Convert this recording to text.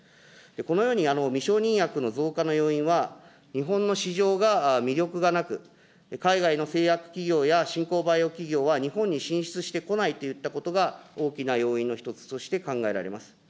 このように、未承認薬の増加の要因は、日本の市場が魅力がなく、海外の製薬企業やしんこうバイオ企業は、日本に進出してこないといったことが大きな要因の一つとして考えられます。